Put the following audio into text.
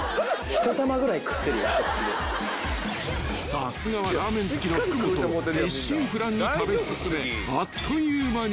［さすがはラーメン好きの福本一心不乱に食べ進めあっという間に］